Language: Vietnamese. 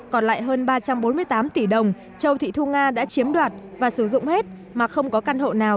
còn lại hơn ba trăm bốn mươi tám tỷ đồng châu thị thu nga đã chiếm đoạt và sử dụng hết mà không có căn hộ nào